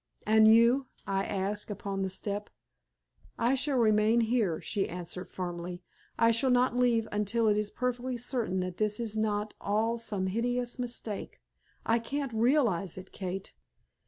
"And you?" I asked, upon the step. "I shall remain here," she answered, firmly. "I shall not leave until it is perfectly certain that this is not all some hideous mistake. I can't realize it, Kate."